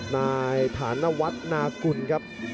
นายฐานวัฒนากุลครับ